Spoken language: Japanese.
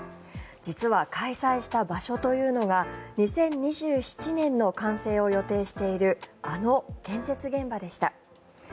実は開催した場所というのが２０２７年の完成を予定しているあの建設現場でした。